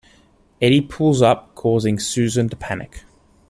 Edie pulls up, causing Susan to panic.